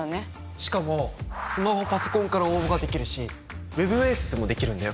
しかもスマホパソコンから応募ができるしＷＥＢ面接もできるんだよ。